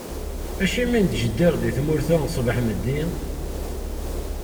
Acimi i nettjeddir di tmurt-a ṣbeḥ meddi?